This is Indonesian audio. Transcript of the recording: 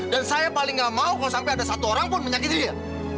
dan saya paling nggak mau kalau sampai ada satu orang pun menyakiti dia